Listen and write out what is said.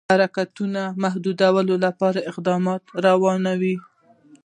حرکتونو د محدودولو لپاره اقدامات روان وه.